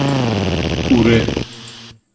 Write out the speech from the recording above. پوره